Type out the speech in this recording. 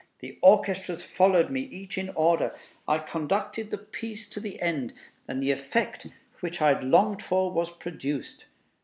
The orchestras followed me, each in order. I conducted the piece to the end, and the effect which I had longed for was produced.